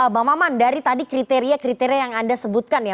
bang maman dari tadi kriteria kriteria yang anda sebutkan ya